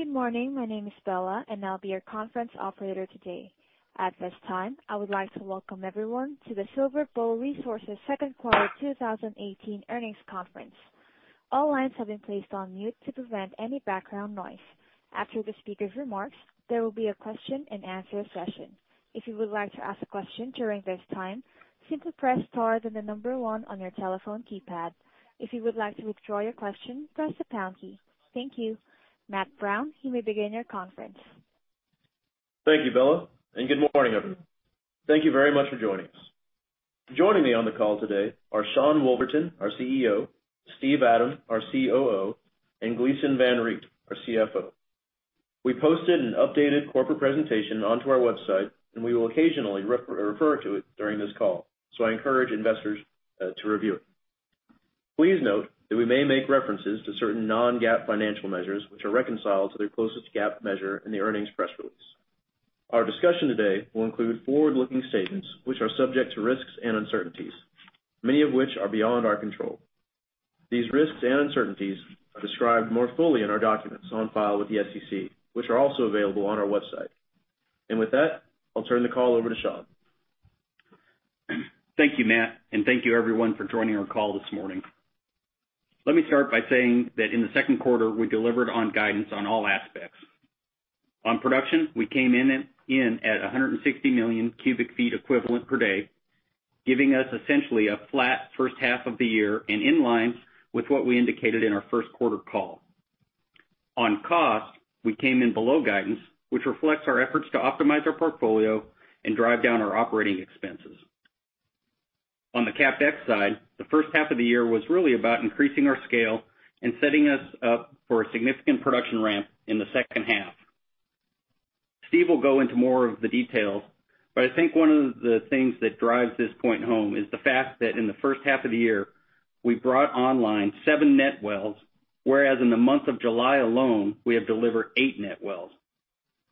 Good morning. My name is Bella, I'll be your conference operator today. At this time, I would like to welcome everyone to the SilverBow Resources second quarter 2018 earnings conference. All lines have been placed on mute to prevent any background noise. After the speaker's remarks, there will be a question and answer session. If you would like to ask a question during this time, simply press star, then the number 1 on your telephone keypad. If you would like to withdraw your question, press the pound key. Thank you. Matt Brown, you may begin your conference. Thank you, Bella, good morning, everyone. Thank you very much for joining us. Joining me on the call today are Sean Woolverton, our CEO, Steven Adam, our COO, and Gleeson Van Riet, our CFO. We posted an updated corporate presentation onto our website, we will occasionally refer to it during this call, I encourage investors to review it. Please note that we may make references to certain non-GAAP financial measures, which are reconciled to their closest GAAP measure in the earnings press release. Our discussion today will include forward-looking statements which are subject to risks and uncertainties, many of which are beyond our control. These risks and uncertainties are described more fully in our documents on file with the SEC, which are also available on our website. With that, I'll turn the call over to Sean. Thank you, Matt, thank you everyone for joining our call this morning. Let me start by saying that in the second quarter, we delivered on guidance on all aspects. On production, we came in at 160 million cubic feet equivalent per day, giving us essentially a flat first half of the year and in line with what we indicated in our first quarter call. On cost, we came in below guidance, which reflects our efforts to optimize our portfolio and drive down our operating expenses. On the CapEx side, the first half of the year was really about increasing our scale and setting us up for a significant production ramp in the second half. Steve will go into more of the details, I think one of the things that drives this point home is the fact that in the first half of the year, we brought online seven net wells, whereas in the month of July alone, we have delivered eight net wells.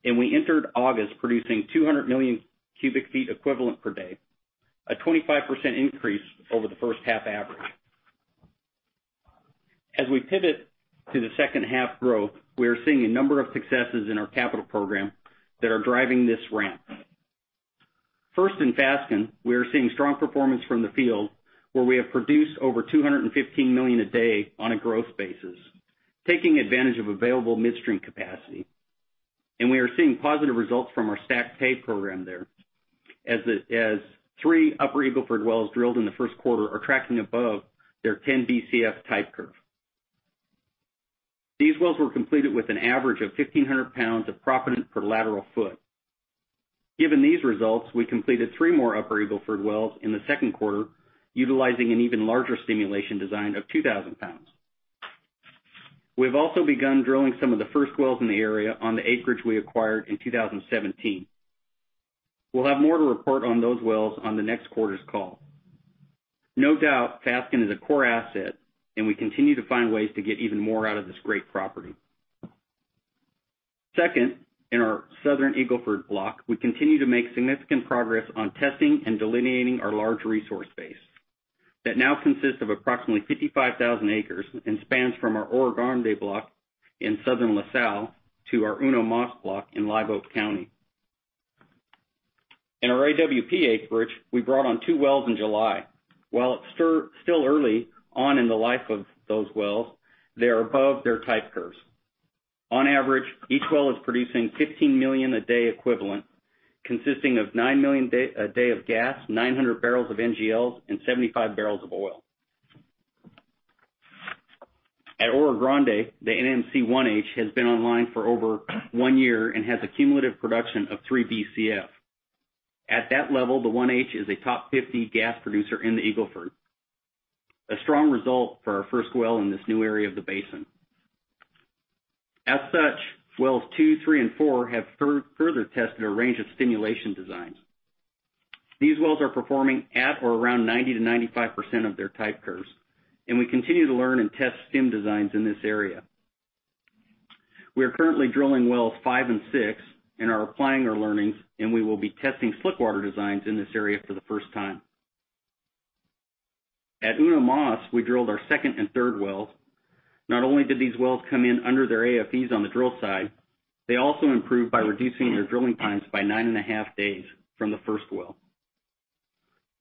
We entered August producing 200 million cubic feet equivalent per day, a 25% increase over the first half average. As we pivot to the second half growth, we are seeing a number of successes in our capital program that are driving this ramp. First, in Fasken, we are seeing strong performance from the field, where we have produced over 215 million a day on a growth basis, taking advantage of available midstream capacity. We are seeing positive results from our stack pay program there. Three Upper Eagle Ford wells drilled in the first quarter are tracking above their 10 Bcf type curve. These wells were completed with an average of 1,500 pounds of proppant per lateral foot. Given these results, we completed three more Upper Eagle Ford wells in the second quarter, utilizing an even larger stimulation design of 2,000 pounds. We've also begun drilling some of the first wells in the area on the acreage we acquired in 2017. We'll have more to report on those wells on the next quarter's call. No doubt, Fasken is a core asset, and we continue to find ways to get even more out of this great property. Second, in our southern Eagle Ford block, we continue to make significant progress on testing and delineating our large resource base that now consists of approximately 55,000 acres and spans from our Oro Grande block in southern La Salle to our Uno Mas block in Live Oak County. In our AWP acreage, we brought on two wells in July. While it's still early on in the life of those wells, they are above their type curves. On average, each well is producing 15 million a day equivalent, consisting of 9 million a day of gas, 900 barrels of NGLs, and 75 barrels of oil. At Oro Grande, the NMC-1H has been online for over one year and has a cumulative production of 3 BCF. At that level, the 1H is a top 50 gas producer in the Eagle Ford. A strong result for our first well in this new area of the basin. Such, wells 2, 3, and 4 have further tested a range of stimulation designs. These wells are performing at or around 90%-95% of their type curves, and we continue to learn and test stim designs in this area. We are currently drilling wells 5 and 6 and are applying our learnings, and we will be testing slickwater designs in this area for the first time. At Uno Mas, we drilled our second and third wells. Not only did these wells come in under their AFEs on the drill side, they also improved by reducing their drilling times by 9.5 days from the first well.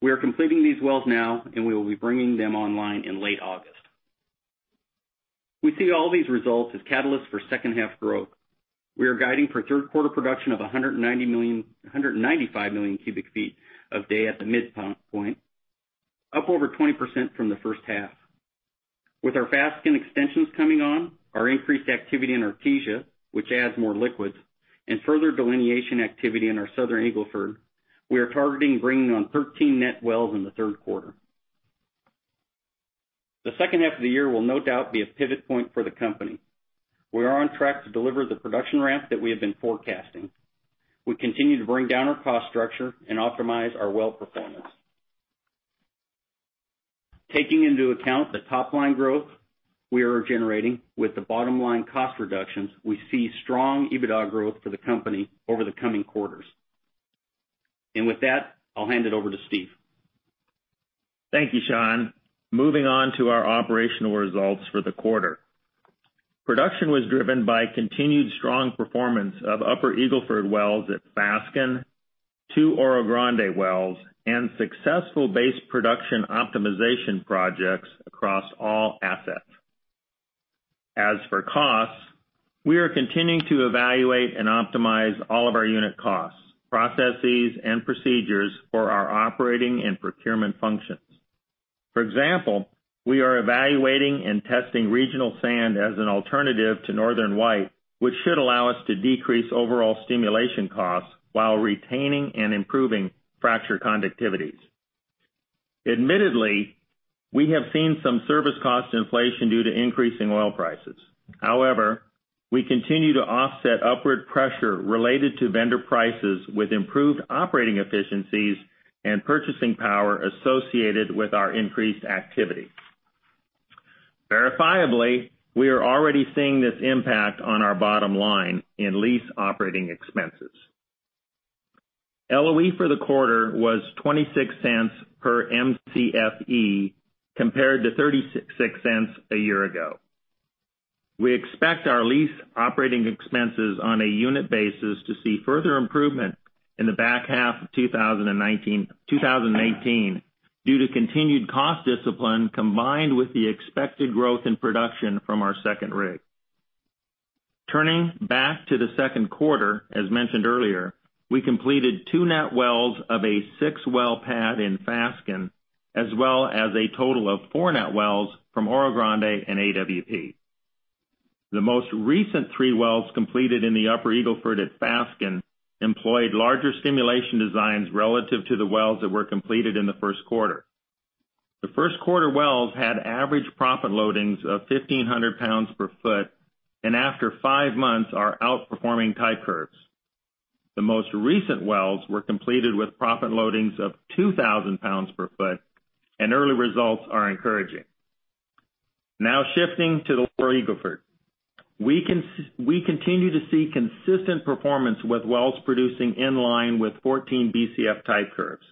We are completing these wells now, and we will be bringing them online in late August. We see all these results as catalysts for second half growth. We are guiding for third quarter production of 195 million cubic feet of day at the midpoint, up over 20% from the first half. With our Fasken extensions coming on, our increased activity in Artesia, which adds more liquids, and further delineation activity in our southern Eagle Ford, we are targeting bringing on 13 net wells in the third quarter. The second half of the year will no doubt be a pivot point for the company. We are on track to deliver the production ramp that we have been forecasting. We continue to bring down our cost structure and optimize our well performance. Taking into account the top-line growth we are generating with the bottom-line cost reductions, we see strong EBITDA growth for the company over the coming quarters. With that, I'll hand it over to Steve. Thank you, Sean. Moving on to our operational results for the quarter. Production was driven by continued strong performance of Upper Eagle Ford wells at Fasken, two Oro Grande wells, and successful base production optimization projects across all assets. As for costs, we are continuing to evaluate and optimize all of our unit costs, processes, and procedures for our operating and procurement functions. For example, we are evaluating and testing regional sand as an alternative to Northern White, which should allow us to decrease overall stimulation costs while retaining and improving fracture conductivities. Admittedly, we have seen some service cost inflation due to increasing oil prices. However, we continue to offset upward pressure related to vendor prices with improved operating efficiencies and purchasing power associated with our increased activity. Verifiably, we are already seeing this impact on our bottom line in lease operating expenses. LOE for the quarter was $0.26 per Mcfe compared to $0.36 a year ago. We expect our lease operating expenses on a unit basis to see further improvement in the back half of 2018 due to continued cost discipline, combined with the expected growth in production from our second rig. Turning back to the second quarter, as mentioned earlier, we completed two net wells of a six-well pad in Fasken, as well as a total of four net wells from Oro Grande and AWP. The most recent three wells completed in the Upper Eagle Ford at Fasken employed larger stimulation designs relative to the wells that were completed in the first quarter. The first quarter wells had average proppant loadings of 1,500 pounds per foot, and after five months, are outperforming type curves. The most recent wells were completed with proppant loadings of 2,000 pounds per foot, and early results are encouraging. Now shifting to the Lower Eagle Ford. We continue to see consistent performance with wells producing in line with 14 Bcf type curves.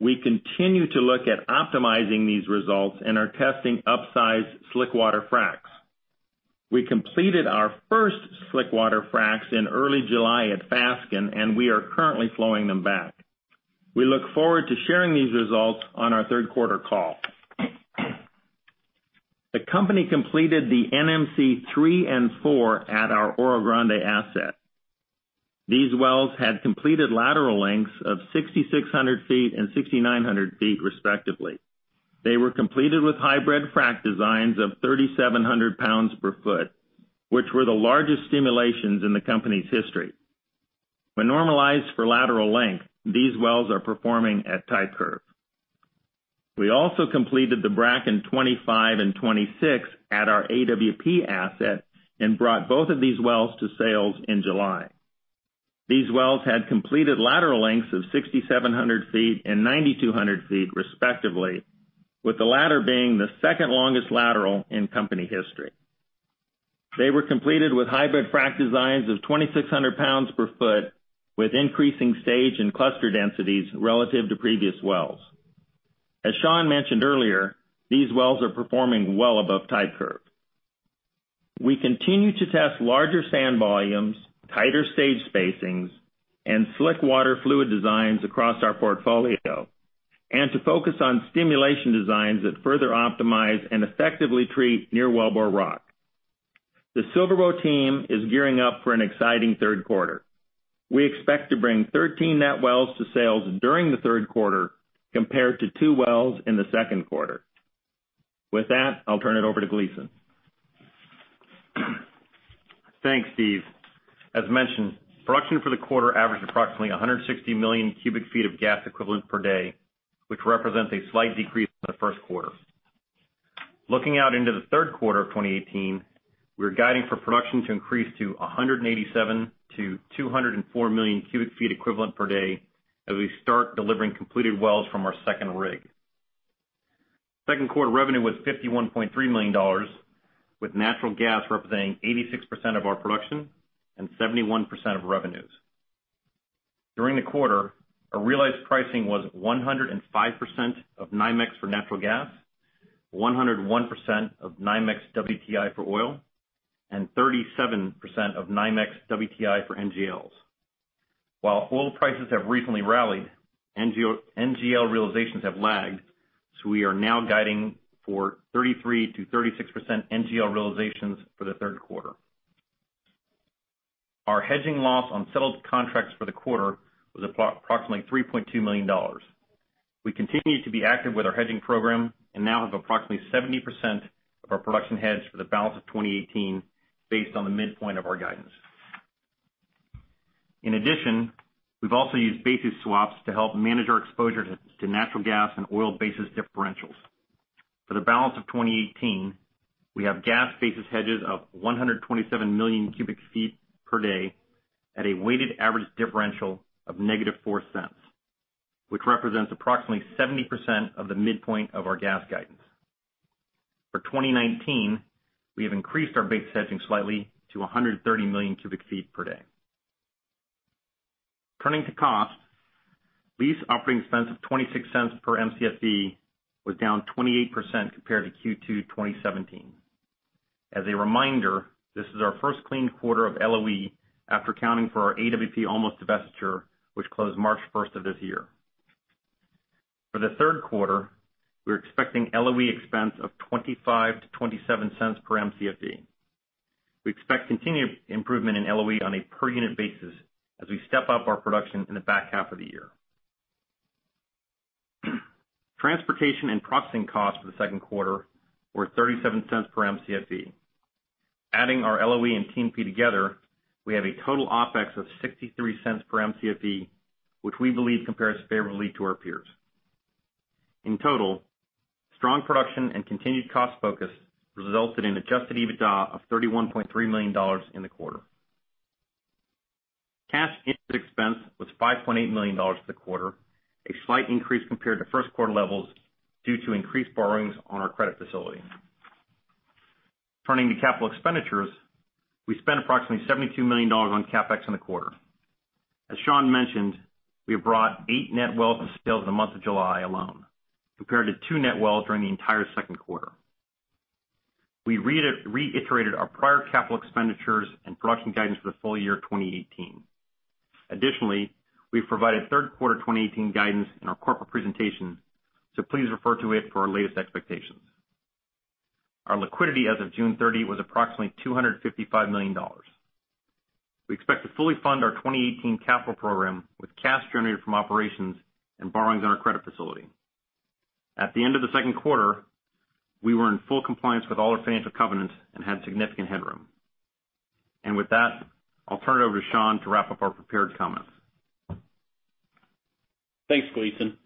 We continue to look at optimizing these results and are testing upsize slick water fracs. We completed our first slick water fracs in early July at Fasken, and we are currently flowing them back. We look forward to sharing these results on our third quarter call. The company completed the NMC 3 and 4 at our Oro Grande asset. These wells had completed lateral lengths of 6,600 feet and 6,900 feet respectively. They were completed with hybrid frac designs of 3,700 pounds per foot, which were the largest stimulations in the company's history. When normalized for lateral length, these wells are performing at type curve. We also completed the Bracken 25 and 26 at our AWP asset and brought both of these wells to sales in July. These wells had completed lateral lengths of 6,700 feet and 9,200 feet respectively, with the latter being the second longest lateral in company history. They were completed with hybrid frac designs of 2,600 pounds per foot, with increasing stage and cluster densities relative to previous wells. As Sean mentioned earlier, these wells are performing well above type curve. We continue to test larger sand volumes, tighter stage spacings, and slick water fluid designs across our portfolio, and to focus on stimulation designs that further optimize and effectively treat near wellbore rock. The SilverBow team is gearing up for an exciting third quarter. We expect to bring 13 net wells to sales during the third quarter, compared to two wells in the second quarter. With that, I'll turn it over to Gleeson. Thanks, Steve. As mentioned, production for the quarter averaged approximately 160 million cubic feet of gas equivalent per day, which represents a slight decrease from the first quarter. Looking out into the third quarter of 2018, we're guiding for production to increase to 187 to 204 million cubic feet equivalent per day as we start delivering completed wells from our second rig. Second quarter revenue was $51.3 million, with natural gas representing 86% of our production and 71% of revenues. During the quarter, our realized pricing was 105% of NYMEX for natural gas, 101% of NYMEX WTI for oil, and 37% of NYMEX WTI for NGLs. While oil prices have recently rallied, NGL realizations have lagged, so we are now guiding for 33%-36% NGL realizations for the third quarter. Our hedging loss on settled contracts for the quarter was approximately $3.2 million. We continue to be active with our hedging program and now have approximately 70% of our production hedged for the balance of 2018, based on the midpoint of our guidance. In addition, we've also used basis swaps to help manage our exposure to natural gas and oil basis differentials. For the balance of 2018, we have gas basis hedges of 127 million cubic feet per day at a weighted average differential of -$0.04, which represents approximately 70% of the midpoint of our gas guidance. For 2019, we have increased our base hedging slightly to 130 million cubic feet per day. Turning to cost, lease operating expense of $0.26 per Mcfe was down 28% compared to Q2 2017. As a reminder, this is our first clean quarter of LOE after accounting for our AWP Olmos divestiture, which closed March 1st of this year. For the third quarter, we're expecting LOE expense of $0.25-$0.27 per Mcfe. We expect continued improvement in LOE on a per unit basis as we step up our production in the back half of the year. Transportation and processing costs for the second quarter were $0.37 per Mcfe. Adding our LOE and T&P together, we have a total OpEx of $0.63 per Mcfe, which we believe compares favorably to our peers. In total, strong production and continued cost focus resulted in adjusted EBITDA of $31.3 million in the quarter. Cash interest expense was $5.8 million for the quarter, a slight increase compared to first quarter levels due to increased borrowings on our credit facility. Turning to capital expenditures, we spent approximately $72 million on CapEx in the quarter. As Sean mentioned, we have brought eight net wells to scale in the month of July alone, compared to two net wells during the entire second quarter. We reiterated our prior capital expenditures and production guidance for the full year 2018. Additionally, we've provided third quarter 2018 guidance in our corporate presentation, so please refer to it for our latest expectations. Our liquidity as of June 30 was approximately $255 million. We expect to fully fund our 2018 capital program with cash generated from operations and borrowings on our credit facility. At the end of the second quarter, we were in full compliance with all our financial covenants and had significant headroom. With that, I'll turn it over to Sean to wrap up our prepared comments. Thanks, Gleeson.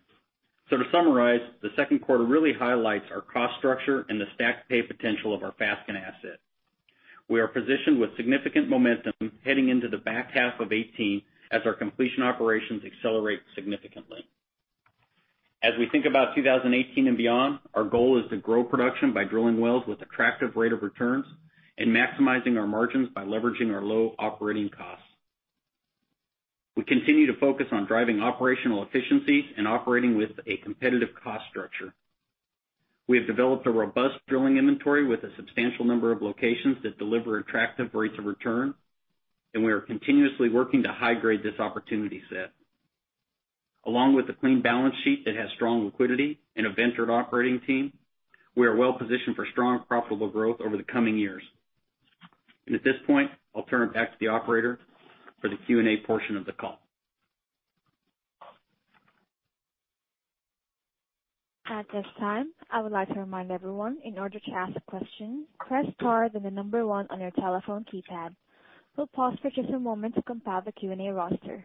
To summarize, the second quarter really highlights our cost structure and the stack pay potential of our Fasken asset. We are positioned with significant momentum heading into the back half of '18 as our completion operations accelerate significantly. As we think about 2018 and beyond, our goal is to grow production by drilling wells with attractive rate of returns and maximizing our margins by leveraging our low operating costs. We continue to focus on driving operational efficiencies and operating with a competitive cost structure. We have developed a robust drilling inventory with a substantial number of locations that deliver attractive rates of return, and we are continuously working to high grade this opportunity set. Along with a clean balance sheet that has strong liquidity and a ventured operating team, we are well positioned for strong, profitable growth over the coming years. At this point, I'll turn it back to the operator for the Q&A portion of the call. At this time, I would like to remind everyone, in order to ask a question, press star then the number one on your telephone keypad. We will pause for just a moment to compile the Q&A roster.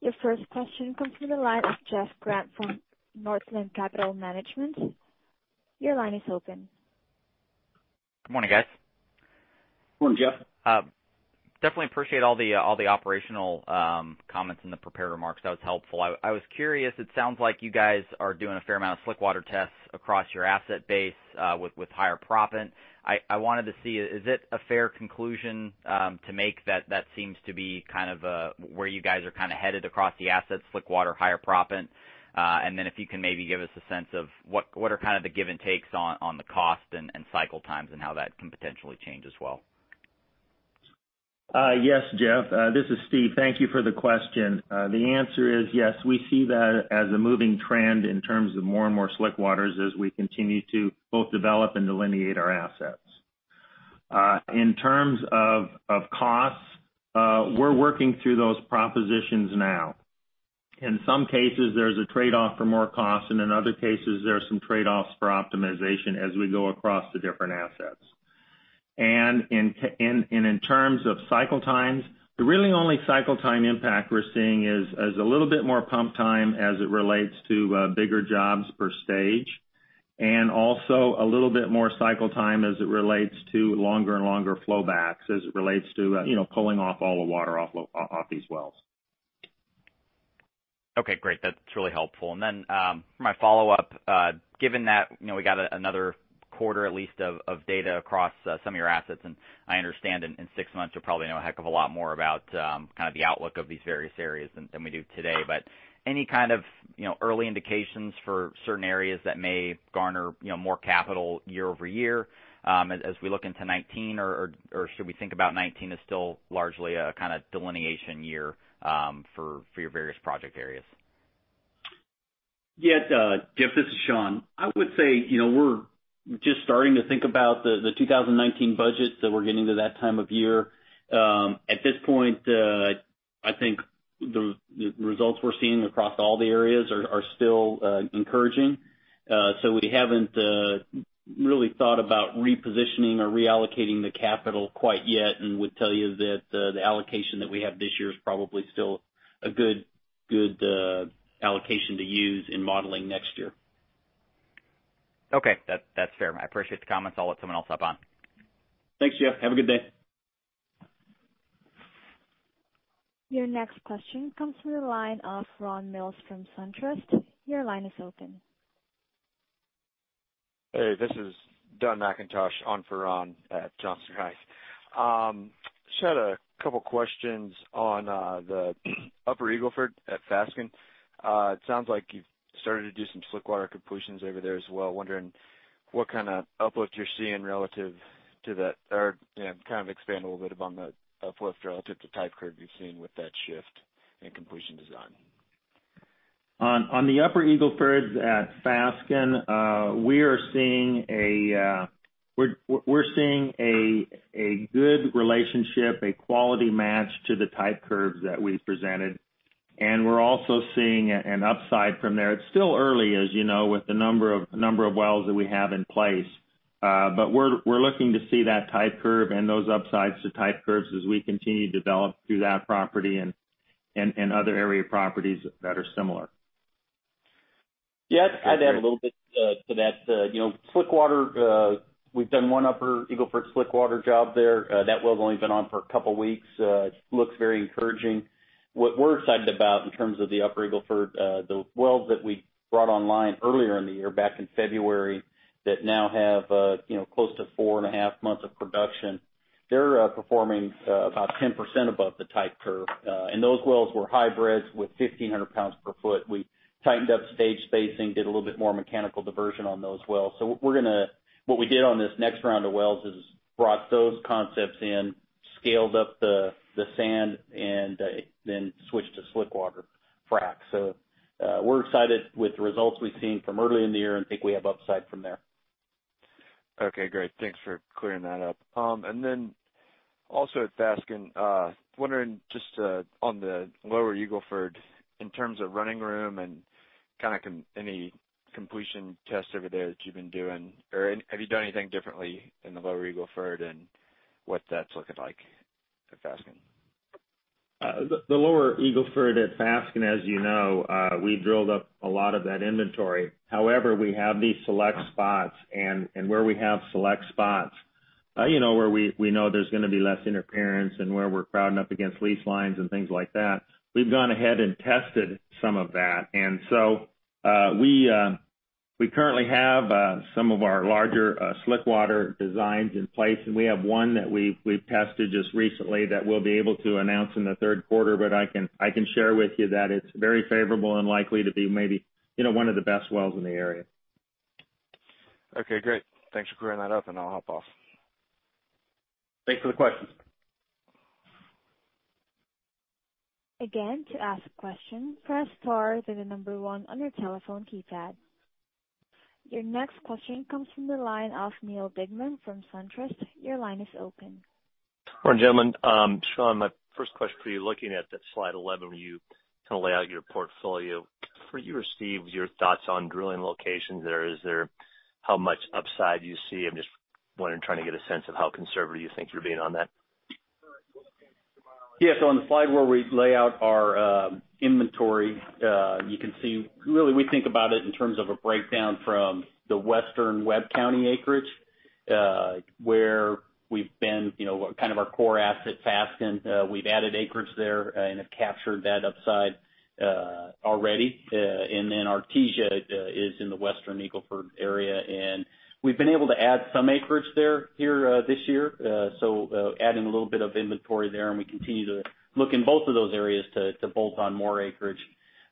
Your first question comes from the line of Jeff Grampp from Northland Capital Markets. Your line is open. Good morning, guys. Good morning, Jeff Grampp. Definitely appreciate all the operational comments in the prepared remarks. That was helpful. I was curious, it sounds like you guys are doing a fair amount of slick water tests across your asset base, with higher proppant. I wanted to see, is it a fair conclusion to make that seem to be where you guys are headed across the assets, slick water, higher proppant? If you can maybe give us a sense of what are the give and takes on the cost and cycle times, and how that can potentially change as well. Yes, Jeff. This is Steve. Thank you for the question. The answer is yes, we see that as a moving trend in terms of more and more slick waters as we continue to both develop and delineate our assets. In terms of costs, we're working through those propositions now. In some cases, there's a trade-off for more cost, in other cases, there are some trade-offs for optimization as we go across the different assets. In terms of cycle times, the really only cycle time impact we're seeing is a little bit more pump time as it relates to bigger jobs per stage, also a little bit more cycle time as it relates to longer and longer flow backs as it relates to pulling off all the water off these wells. Okay, great. That's really helpful. Then, for my follow-up, given that we got another quarter at least of data across some of your assets, I understand in six months, you'll probably know a heck of a lot more about the outlook of these various areas than we do today. Any kind of early indications for certain areas that may garner more capital year-over-year as we look into 2019? Should we think about 2019 as still largely a kind of delineation year for your various project areas? Yeah. Jeff, this is Sean. I would say, we're just starting to think about the 2019 budgets that we're getting to that time of year. At this point, I think the results we're seeing across all the areas are still encouraging. We haven't really thought about repositioning or reallocating the capital quite yet would tell you that the allocation that we have this year is probably still a good allocation to use in modeling next year. Okay. That's fair. I appreciate the comments. I'll let someone else hop on. Thanks, Jeff. Have a good day. Your next question comes from the line of Ron Mills from Johnson Rice. Your line is open. Hey, this is Dun McIntosh on for Ron at SunTrust. Just had a couple questions on the Upper Eagle Ford at Fasken. It sounds like you've started to do some slick-water completions over there as well. Wondering what kind of uplift you're seeing relative to that, or kind of expand a little bit on the uplift relative to type curve you've seen with that shift in completion design. On the Upper Eagle Fords at Fasken, we're seeing a good relationship, a quality match to the type curves that we've presented. We're also seeing an upside from there. It's still early, as you know, with the number of wells that we have in place. We're looking to see that type curve and those upsides to type curves as we continue to develop through that property and other area properties that are similar. Yes, I'd add a little bit to that. Slick water, we've done one Upper Eagle Ford slick water job there. That well's only been on for a couple of weeks. It looks very encouraging. What we're excited about in terms of the Upper Eagle Ford, the wells that we brought online earlier in the year, back in February, that now have close to four and a half months of production. They're performing about 10% above the type curve. Those wells were hybrids with 1,500 pounds per foot. We tightened up stage spacing, did a little bit more mechanical diversion on those wells. What we did on this next round of wells is brought those concepts in, scaled up the sand, and then switched to slick water fracs. We're excited with the results we've seen from early in the year and think we have upside from there. Okay, great. Thanks for clearing that up. Then also at Fasken, wondering just on the Lower Eagle Ford, in terms of running room and kind of any completion tests over there that you've been doing, or have you done anything differently in the Lower Eagle Ford and what that's looking like at Fasken? The Lower Eagle Ford at Fasken, as you know, we drilled up a lot of that inventory. However, we have these select spots, and where we have select spots, where we know there's going to be less interference and where we're crowding up against lease lines and things like that, we've gone ahead and tested some of that. We currently have some of our larger slick water designs in place, and we have one that we've tested just recently that we'll be able to announce in the third quarter, but I can share with you that it's very favorable and likely to be maybe one of the best wells in the area. Okay, great. Thanks for clearing that up, and I'll hop off. Thanks for the question. Again, to ask a question, press star, then the number one on your telephone keypad. Your next question comes from the line of Neal Dingmann from SunTrust. Your line is open. Good morning, gentlemen. Sean, my first question for you, looking at that slide 11 where you lay out your portfolio. For you or Steve, your thoughts on drilling locations there. How much upside you see? I'm just wondering, trying to get a sense of how conservative you think you're being on that. Yeah. On the slide where we lay out our inventory, you can see really we think about it in terms of a breakdown from the western Webb County acreage, where we've been, kind of our core asset, Fasken. We've added acreage there and have captured that upside already. Artesia is in the Western Eagle Ford area, and we've been able to add some acreage there this year. Adding a little bit of inventory there, and we continue to look in both of those areas to bolt on more acreage.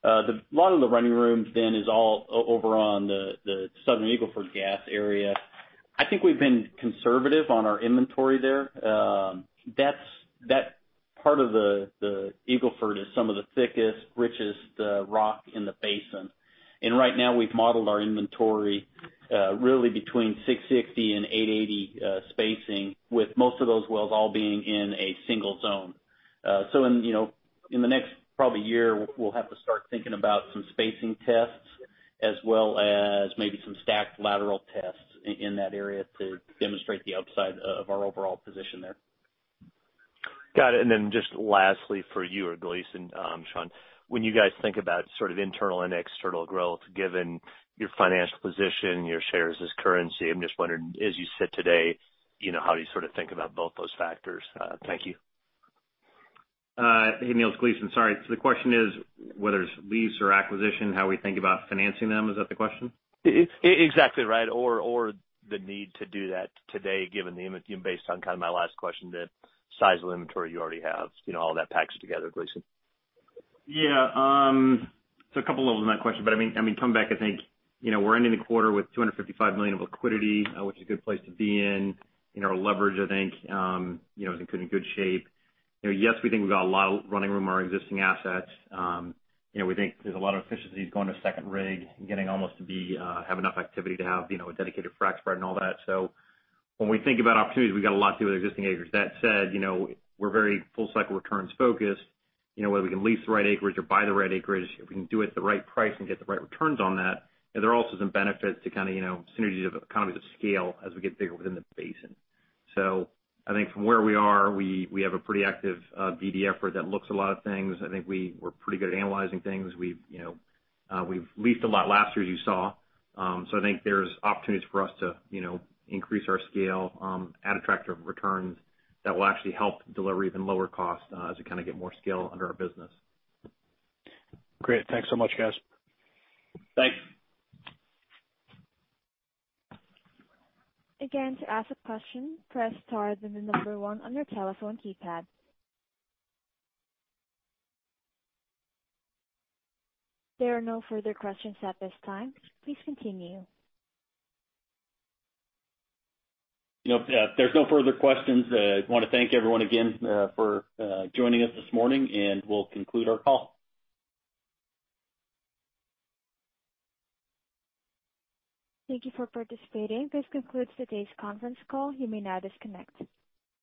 A lot of the running room is all over on the Southern Eagle Ford gas area. I think we've been conservative on our inventory there. That part of the Eagle Ford is some of the thickest, richest rock in the basin. Right now, we've modeled our inventory really between 660 and 880 spacing, with most of those wells all being in a single zone. In the next probably year, we'll have to start thinking about some spacing tests as well as maybe some stacked lateral tests in that area to demonstrate the upside of our overall position there. Got it. Just lastly for you or Gleeson, Sean, when you guys think about sort of internal and external growth, given your financial position, your shares as currency, I'm just wondering, as you sit today, how do you sort of think about both those factors? Thank you. Hey, Neal. It's Gleeson. Sorry. The question is whether it's lease or acquisition, how we think about financing them, is that the question? Exactly right. The need to do that today, based on kind of my last question, the size of the inventory you already have, all that packaged together, Gleeson. A couple levels in that question, but, I mean, coming back, I think, we're ending the quarter with $255 million of liquidity, which is a good place to be in. Our leverage, I think, is in good shape. Yes, we think we got a lot of running room on our existing assets. We think there's a lot of efficiencies going to second rig and getting almost to have enough activity to have a dedicated frac spread and all that. When we think about opportunities, we got a lot to do with existing acreage. That said, we're very full cycle returns focused, whether we can lease the right acreage or buy the right acreage, if we can do it at the right price and get the right returns on that. There are also some benefits to synergies of economies of scale as we get bigger within the basin. I think from where we are, we have a pretty active BD effort that looks at a lot of things. I think we're pretty good at analyzing things. We've leased a lot last year, as you saw. I think there's opportunities for us to increase our scale, add attractive returns that will actually help deliver even lower cost as we kind of get more scale under our business. Great. Thanks so much, guys. Thanks. Again, to ask a question, press star, then the number 1 on your telephone keypad. There are no further questions at this time. Please continue. If there's no further questions, I want to thank everyone again for joining us this morning, and we'll conclude our call. Thank you for participating. This concludes today's conference call. You may now disconnect.